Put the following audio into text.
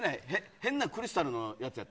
変なクリスタルのやつやっけ。